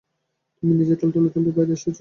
তুমি নিজেই টলতে-টলতে বাইরে এসেছো।